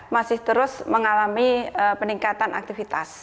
masih terus mengalami peningkatan aktivitas